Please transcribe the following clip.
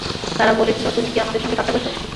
তারা বলেছিল, তুমি কি আমাদের সঙ্গে ঠাট্টা করছ?